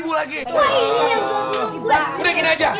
wah ini nyambut dulu gue